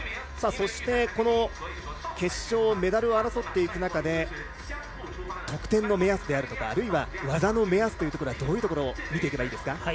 そして、決勝メダルを争っていく中で得点の目安であるとか技の目安はどういうところを見ていけばいいですか？